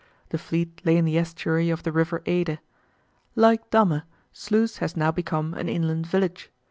The fleet lay in the estuary of the river Eede. Like Damme, Sluys has now become an inland village.